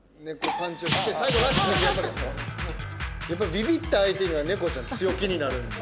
ビビった相手には猫ちゃん強気になるんで。